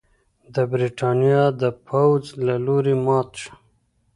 د برېټانیا د پوځ له لوري مات شو.